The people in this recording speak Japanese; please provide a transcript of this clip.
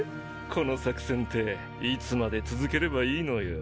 この作戦っていつまで続ければいいのよぉ？